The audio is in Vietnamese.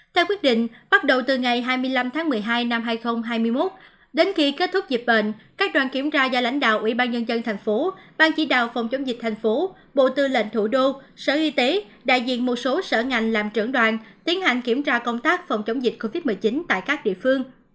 theo quyết định bắt đầu từ ngày hai mươi năm tháng một mươi hai năm hai nghìn hai mươi một đến khi kết thúc dịch bệnh các đoàn kiểm tra do lãnh đạo ủy ban nhân dân thành phố bang chỉ đạo phòng chống dịch thành phố bộ tư lệnh thủ đô sở y tế đại diện một số sở ngành làm trưởng đoàn tiến hành kiểm tra công tác phòng chống dịch covid một mươi chín tại các địa phương